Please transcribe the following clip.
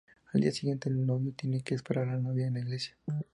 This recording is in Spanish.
Al día siguiente, el novio tiene que esperar a la novia en la iglesia.